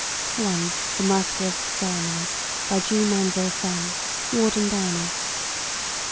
(1) The Master of the Ceremonies. By G. Manville Fenn. (Ward and Downey.)